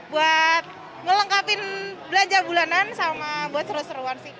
buat melengkapin belanja bulanan sama buat seru seruan sih